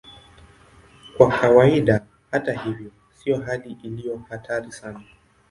Kwa kawaida, hata hivyo, sio hali iliyo hatari sana.